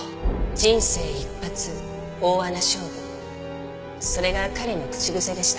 「人生一発大穴勝負」それが彼の口癖でした。